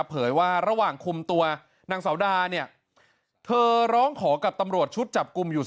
เผยว่าระหว่างคุมตัวนางสาวดาก็ร้องขอกับตำรวจชุดจับกุมอยู่๓ข้อ